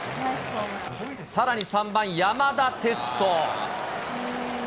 さらに３番山田哲人。